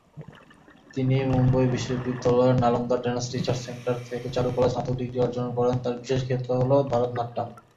তিনি মুম্বই বিশ্ববিদ্যালয়ের Nalanda dance research centre থেকে চারুকলায় স্নাতক ডিগ্রি অর্জন করেন, তার বিশেষ ক্ষেত্র হল ভারতনাট্যম।